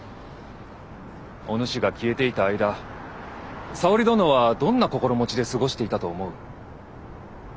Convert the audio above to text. おぬしが消えていた間沙織殿はどんな心持ちで過ごしていたと思う？